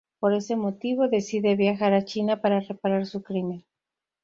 Por ese motivo, decide viajar a China para reparar su crimen.